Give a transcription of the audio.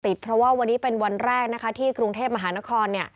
เพราะว่าวันนี้เป็นวันแรกนะคะที่กรุงเทพมหานคร